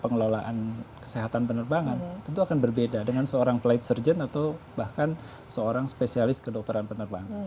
pengelolaan kesehatan penerbangan tentu akan berbeda dengan seorang flight surget atau bahkan seorang spesialis kedokteran penerbangan